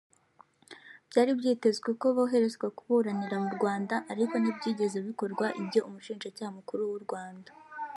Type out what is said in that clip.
Byari byitezwe ko boherezwa kuburanira mu Rwanda ariko ntibyigeze bikorwa ibyo Umushinjacyaha Mukuru w’u Rwanda